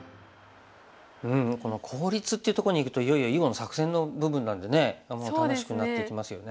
うんこの効率っていうとこにいくといよいよ囲碁の作戦の部分なんでねもう楽しくなってきますよね。